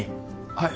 はい。